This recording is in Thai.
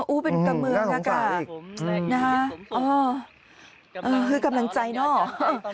อู๋เป็นกำเมิงนะคะนะฮะเออคือกำลังใจเนอะ